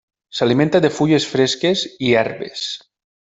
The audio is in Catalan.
S'alimenta de fulles fresques i herbes.